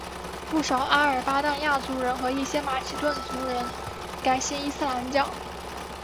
不少阿尔巴尼亚族人和一些马其顿族人改信伊斯兰教。